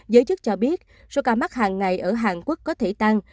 giới chức cho biết số ca mắc hàng ngày ở hàn quốc có thể tăng